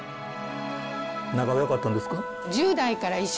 仲がよかったんですか？